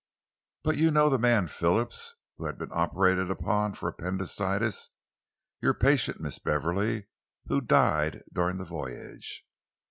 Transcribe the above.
But you know the man Phillips, who'd been operated upon for appendicitis your patient, Miss Beverley, who died during the voyage?"